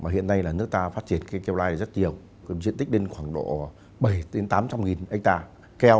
hiện nay nước ta phát triển keo lai rất nhiều diện tích đến khoảng độ bảy trăm linh tám trăm linh nghìn hectare